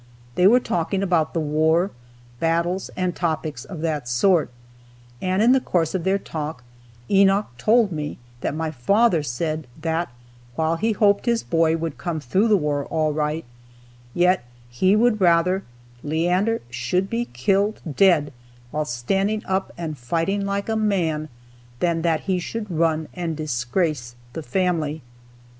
They were talking about the war, battles, and topics of that sort, and in the course of their talk Enoch told me that my father said that while he hoped his boy would come through the war all right, yet he would rather "Leander should be killed dead, while standing up and fighting like a man, than that he should run, and disgrace the family."